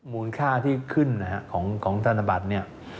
มูลค่าที่ขึ้นของต้านธบัตรนี่